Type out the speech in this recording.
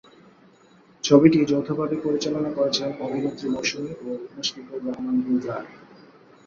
ছবিটি যৌথভাবে পরিচালনা করেছেন অভিনেত্রী মৌসুমী ও মুশফিকুর রহমান গুলজার।